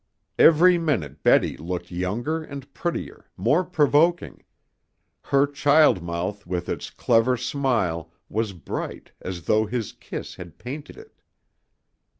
Every minute Betty looked younger and prettier, more provoking. Her child mouth with its clever smile was bright as though his kiss had painted it.